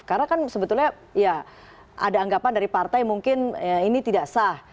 karena kan sebetulnya ya ada anggapan dari partai mungkin ini tidak sah